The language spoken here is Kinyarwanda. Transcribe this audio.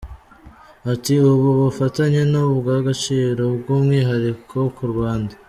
Ati "Ubu bufatanye ni ubw’agaciro by’umwihariko ku Rwanda.